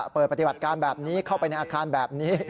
เปิดปฏิบัติการแบบนี้เข้าไปในอาคารแบบนี้